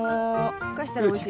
ふかしたらおいしい。